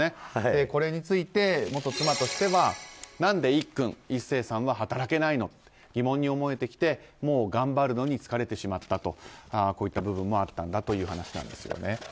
これについて元妻としては何でいっくん壱成さんは働けないのと疑問に思えてきてもう頑張るのに疲れてしまったとこういった部分もあったんだという話です。